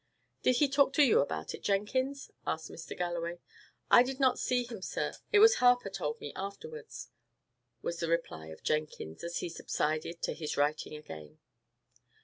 "Did he talk to you about it, Jenkins?" asked Mr. Galloway. "I did not see him, sir; it was Harper told me afterwards," was the reply of Jenkins, as he subsided to his writing again.